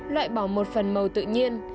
loại bỏ một phần màu tự nhiên